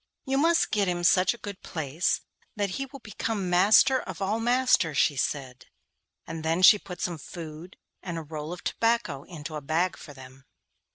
'You must get him such a good place that he will become master of all masters,' she said, and then she put some food and a roll of tobacco into a bag for them.